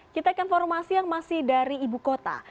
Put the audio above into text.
kita akan informasi yang masih dari ibu kota